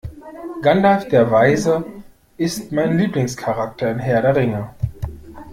Gandalf der Weise ist mein Lieblingscharakter in Herr der Ringe.